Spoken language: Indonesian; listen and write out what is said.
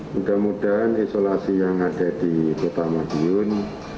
mudah mudahan isolasi yang ada di kota madiun